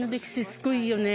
すごいいいよね。